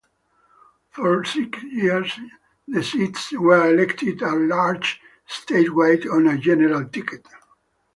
For six years, the seats were elected at-large statewide on a general ticket.